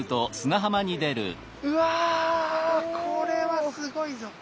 うわこれはすごいぞ！